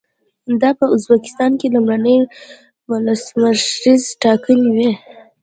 دا په ازبکستان کې لومړنۍ ولسمشریزې ټاکنې وې.